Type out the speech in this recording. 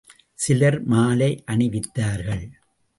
சிலர் மாலை அணி வித்தார்கள்.